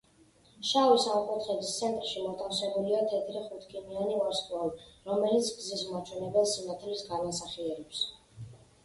შავი სამკუთხედის ცენტრში მოთავსებულია თეთრი ხუთქიმიანი ვარსკვლავი, რომელიც გზის მაჩვენებელ სინათლეს განასახიერებს.